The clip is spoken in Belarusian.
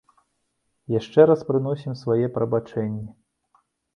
Яшчэ раз прыносім свае прабачэнні.